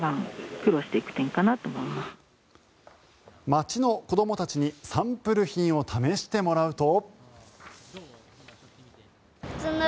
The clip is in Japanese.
街の子どもたちにサンプル品を試してもらうと。